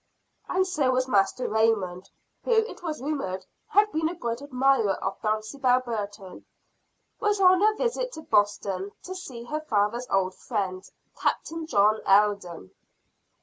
And so Master Raymond, who it was rumored had been a great admirer of Dulcibel Burton, was on a visit to Boston, to see her father's old friend, Captain John Alden!